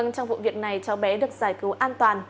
trong vụ việc này cháu bé được giải cứu an toàn